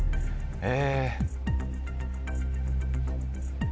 え。